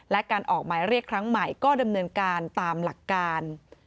และการออกหมายเรียกครั้งใหม่ก็ดำเนินการตามหลักการ